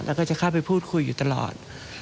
แล้วก็จะเข้าไปพูดคุยอยู่ตลอด